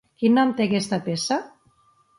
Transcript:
Quin nom té aquesta peça?